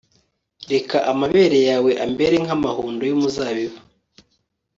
reka amabere yawe ambere nk'amahundo y'umuzabibu